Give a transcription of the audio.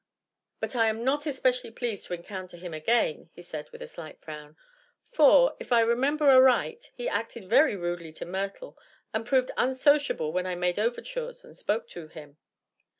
"But I am not especially pleased to encounter him again," he said with a slight frown; "for, if I remember aright, he acted very rudely to Myrtle and proved unsociable when I made overtures and spoke to him."